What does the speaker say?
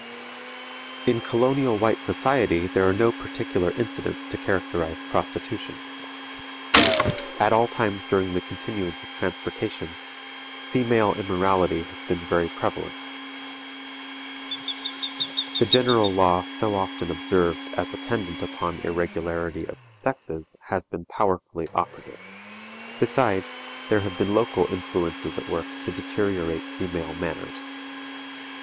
In colonial white society there are no particular incidents to characterize prostitution. At all times during the continuance of transportation, female immorality has been very prevalent. The general law so often observed as attendant upon irregularity of the sexes has been powerfully operative; besides, there have been local influences at work to deteriorate female manners.